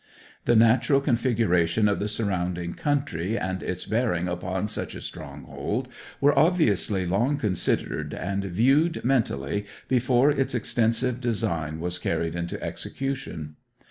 The natural configuration of the surrounding country and its bearing upon such a stronghold were obviously long considered and viewed mentally before its extensive design was carried into execution.